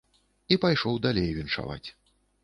І пайшоў далей віншаваць.